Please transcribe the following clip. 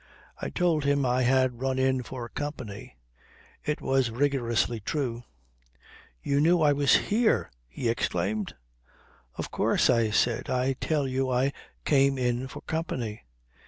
"I told him I had run in for company. It was rigorously true." "You knew I was here?" he exclaimed. "Of course," I said. "I tell you I came in for company."